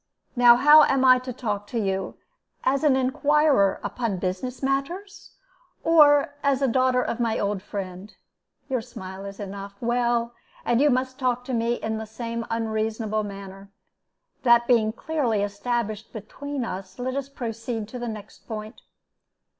Now how am I to talk to you as an inquirer upon business matters, or as the daughter of my old friend? Your smile is enough. Well, and you must talk to me in the same unreasonable manner. That being clearly established between us, let us proceed to the next point.